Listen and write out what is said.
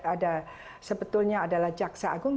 ada sebetulnya adalah jaksa agung